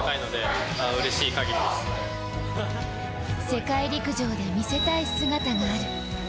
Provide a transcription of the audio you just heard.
世界陸上で見せたい姿がある。